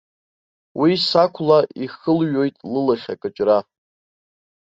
Уи сақәла ихылҩоит лылахь акыҷра.